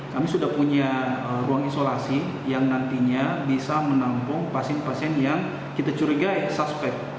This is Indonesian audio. kita harus menampung isolasi yang nantinya bisa menampung pasien pasien yang kita curiga eh suspek